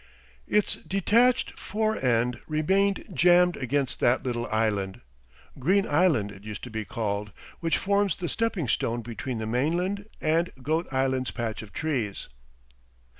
Its detached fore end remained jammed against that little island, Green Island it used to be called, which forms the stepping stone between the mainland and Goat Island's patch of trees.